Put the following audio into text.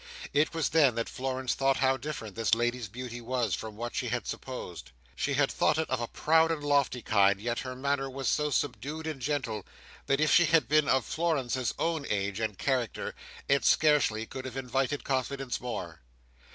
It was then that Florence thought how different this lady's beauty was, from what she had supposed. She had thought it of a proud and lofty kind; yet her manner was so subdued and gentle, that if she had been of Florence's own age and character, it scarcely could have invited confidence more.